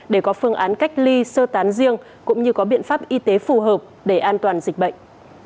để có phương án cách ly sơ tán riêng cũng như có biện pháp y tế phù hợp để an toàn dịch bệnh